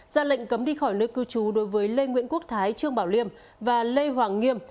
ra lệnh cấm đi khỏi nơi cư trú đối với lê nguyễn quốc thái trương bảo liêm và lê hoàng nghiêm